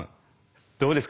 どうですか